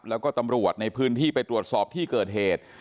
แล้วก็ตำรวจในพื้นที่ไปตรวจสอบที่เกิดเหตุ